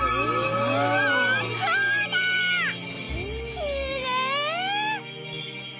きれい！